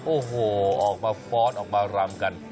โอ้โหออกมาฟ้อนออกมารำกัน